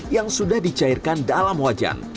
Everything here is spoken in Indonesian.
yang sudah dicairkan dalam wajan